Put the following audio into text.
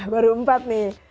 baru empat nih